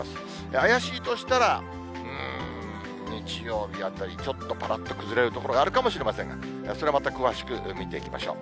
怪しいとしたら、うーん、日曜日あたり、ちょっとぱらっと崩れる所があるかもしれませんが、それはまた詳しく見ていきましょう。